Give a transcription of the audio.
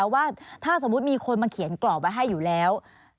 ว่าถ้าสมมุติมีคนมาเขียนกรอบไว้ให้อยู่แล้ว